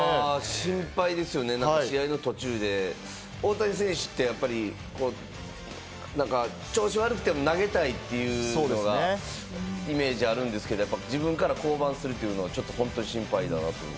心配ですよね、試合の途中で大谷選手って、やっぱり調子悪くても投げたいっていうところがイメージあるんですけれども、自分から降板するというのは、ちょっと本当に心配だなと思って。